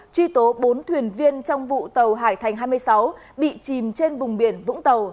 truy tố bốn thuyền viên trong vụ tàu hải thành hai mươi sáu bị chìm trên vùng biển vũng tàu